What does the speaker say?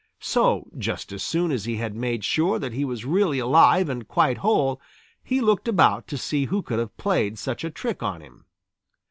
So just as soon as he had made sure that he was really alive and quite whole, he looked about to see who could have played such a trick on him.